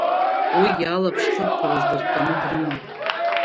Уигьы алаԥшхырԥараз дыртәаны дрыман.